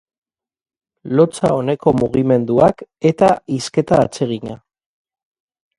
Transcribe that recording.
Lotsa oneko mugimenduak, eta hizketa atsegina.